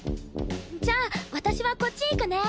じゃあ私はこっち行くね。